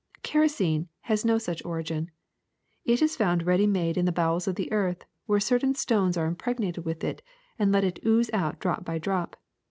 Kerosene has no such origin ; it is found ready made in the bow^els of the earth where certain stones are impregnated with it and let it ooze out drop by drop.